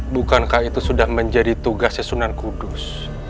bukankah itu sudah menjadi tugasnya sunan kudus